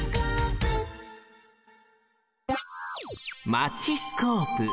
マチスコープ。